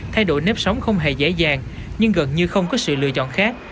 thay đổi nếp sống không hề dễ dàng nhưng gần như không có sự lựa chọn khác